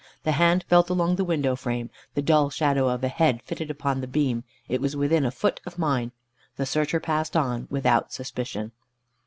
The hand felt along the window frame, the dull shadow of a head flitted upon the beam. It was within a foot of mine. The searcher passed on, without suspicion.